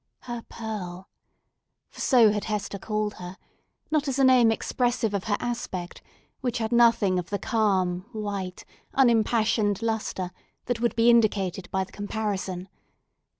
Her Pearl—for so had Hester called her; not as a name expressive of her aspect, which had nothing of the calm, white, unimpassioned lustre that would be indicated by the comparison.